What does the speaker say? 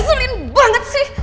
ngeselin banget sih